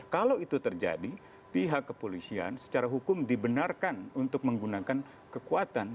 kalau itu terjadi pihak kepolisian secara hukum dibenarkan untuk menggunakan kekuatan